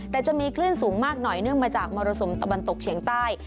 แต่จะมีคลื่นสูงมากหน่อยเนื่องมาจากมรสุมตะวันตกเฉียงใต้